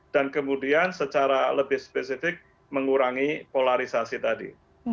dan kemudian secara lebih spesifik mengurangi polarisasi tadi